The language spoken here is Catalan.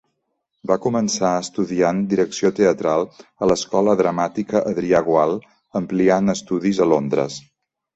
Va començar estudiant direcció teatral a l'Escola Dramàtica Adrià Gual, ampliant estudis a Londres.